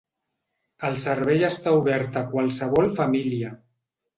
El servei està obert a qualsevol família.